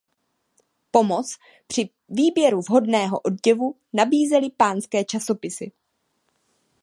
Pomoc při výběru vhodného oděvu nabízely pánské časopisy.